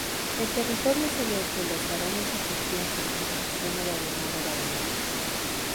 El territorio sobre el que los barones ejercían su jurisdicción era llamado baronía.